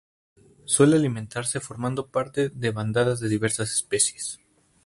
Suele alimentarse formando parte de bandadas de diversas especies.